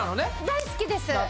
大好きです！